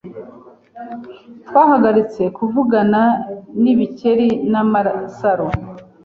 Twahagaritse kuvugana n'ibikeri n'amasaro